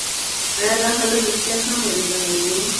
ایا دا هلک رښتیا هم وېرېدلی و؟